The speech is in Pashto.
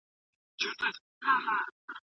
تاسي په خپلو عزیزانو کي نېک نوم لرئ.